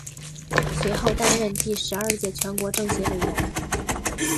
随后担任第十二届全国政协委员。